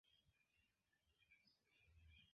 Estas tiel?